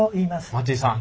待井さん。